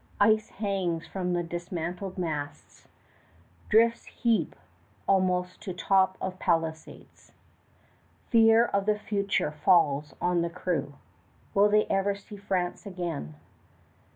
Ice hangs from the dismantled masts. Drifts heap almost to top of palisades. Fear of the future falls on the crew. Will they ever see France again?